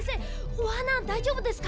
おはなだいじょうぶですか？